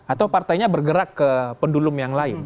atau partainya bergerak ke pendulum yang lain